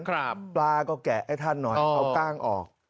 ปลาก็แกะให้ท่านหน่อยเอากล้างออก